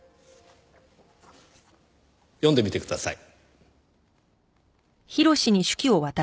読んでみてください。